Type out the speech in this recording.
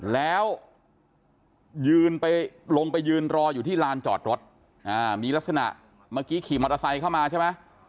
แล้วยืนไปลงไปยืนรออยู่ที่ลานจอดรถมีลักษณะเมื่อกี้ขี่มอเตอร์ไซค์เข้ามาใช่ไหม